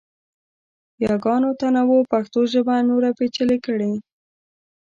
یاګانو تنوع پښتو ژبه نوره پیچلې کړې.